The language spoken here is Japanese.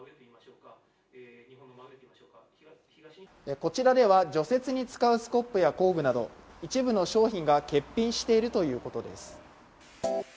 こちらでは除雪に使うスコップや工具など一部の商品が欠品しているということです。